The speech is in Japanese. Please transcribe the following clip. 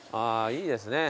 いいですね。